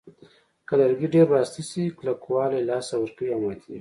که لرګي ډېر وراسته شي کلکوالی له لاسه ورکوي او ماتېږي.